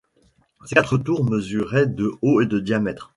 Ces quatre tours mesuraient de haut et de diamètre.